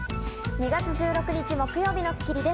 ２月１６日、木曜日の『スッキリ』です。